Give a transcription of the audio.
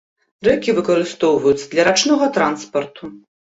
Рэкі выкарыстоўваюцца для рачнога транспарту.